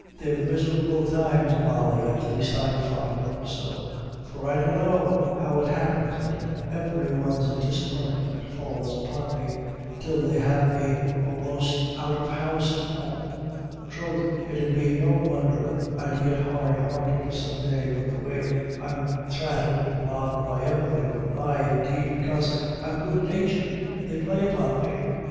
"They're miserable times, Molly, at least I find them so; for I dunna how it happens, but every one's disappointment falls upon me, till they have me a'most out of house an' home throth it 'ud be no wondher I'd get hard hearted some day wid the way I'm thrated an' robbed by every one; aye, indeed, bekase I'm good natured, they play upon me."